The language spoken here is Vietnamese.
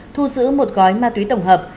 thu giữ một gói ma túy tổng hợp